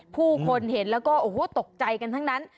ผู้คนเห็นแล้วก็โอ้โหตกใจกันทั้งนั้น